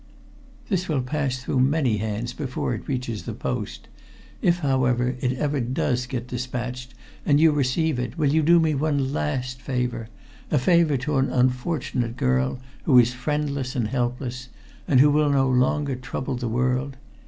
"This will pass through many hands before it reaches the post. If, however, it ever does get despatched and you receive it, will you do me one last favor a favor to an unfortunate girl who is friendless and helpless, and who will no longer trouble the world?